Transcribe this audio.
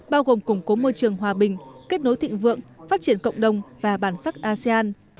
bao gồm củng cố môi trường hòa bình kết nối thịnh vượng phát triển cộng đồng và bản sắc asean